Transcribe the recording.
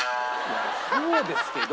そうですけど。